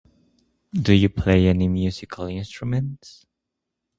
Do you play any musical instruments?